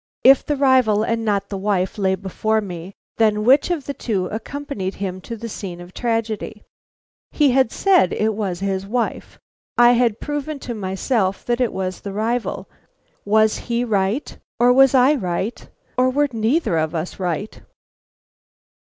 If the rival and not the wife lay before me, then which of the two accompanied him to the scene of tragedy? He had said it was his wife; I had proven to myself that it was the rival; was he right, or was I right, or were neither of us right?